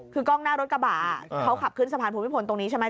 คือกล้องหน้ารถกระบะเขาขับขึ้นสะพานภูมิพลตรงนี้ใช่ไหม